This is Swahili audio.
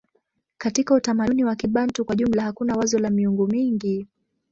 Katika utamaduni wa Kibantu kwa jumla hakuna wazo la miungu mingi.